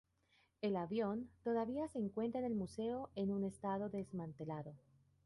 El avión todavía se encuentra en el museo en un estado desmantelado.